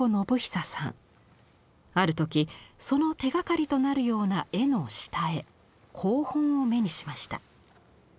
ある時その手がかりとなるような絵の下絵稿本を目にしました。